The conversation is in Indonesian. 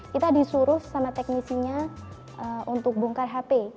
kita disuruh sama teknisinya untuk bongkar hp